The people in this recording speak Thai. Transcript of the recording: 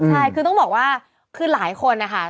ใช่คือต้องบอกว่าคือหลายคนนะคะ